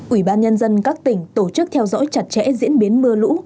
ủy ban nhân dân các tỉnh tổ chức theo dõi chặt chẽ diễn biến mưa lũ